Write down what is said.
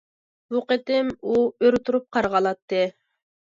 بۇ قېتىم ئۇ ئۆرە تۇرۇپ قارىغا ئالاتتى.